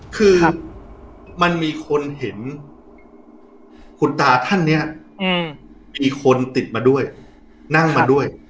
คือมันมีคนเห็นคุณตาท่านเนี่ยมีคนติดมาด้วยนั่งมาด้วย